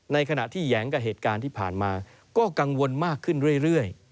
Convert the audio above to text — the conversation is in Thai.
ในขณะที่แหยงกับเหตุการณ์ที่ผ่านมาก็กังวลมากขึ้นเรื่อย